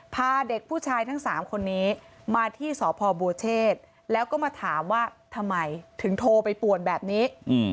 พาเด็กผู้ชายทั้ง๓คนนี้มาที่สพบัวเชษแล้วก็มาถามว่าทำไมถึงโทรไปป่วนแบบนี้